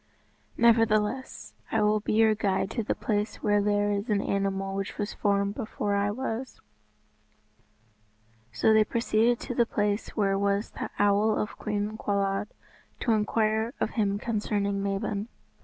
Nevertheless, I will be your guide to the place where there is an animal which was formed before I was." So they proceeded to the place where was the Owl of Cwm Cawlwyd, to inquire of him concerning Mabon.